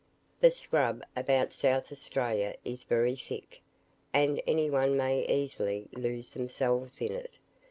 The scrub about South Australia is very thick, and any one may easily lose themselves in it.